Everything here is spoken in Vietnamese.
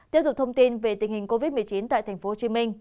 tiếp tục thông tin về tình hình covid một mươi chín tại tp hcm